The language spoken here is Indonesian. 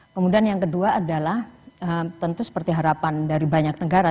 kemudian yang kedua adalah tentu seperti harapan dari banyak negara